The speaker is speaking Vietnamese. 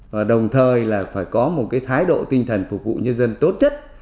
và đồng thời là phải có một cái thái độ tinh thần phục vụ nhân dân tốt nhất